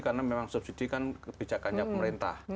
karena memang subsidi kan kebijakannya pemerintah